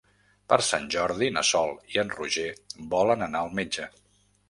Per Sant Jordi na Sol i en Roger volen anar al metge.